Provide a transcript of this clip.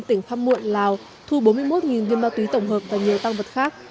tỉnh khăm muộn lào thu bốn mươi một viên ma túy tổng hợp và nhiều tăng vật khác